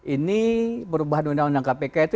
ini perubahan undang undang kpk itu